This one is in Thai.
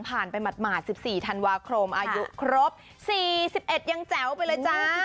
ผ่านไปหมดหมาย๑๔ธันวาโครมอายุครบ๔๑ยังแจ๋วไปเลยจ้า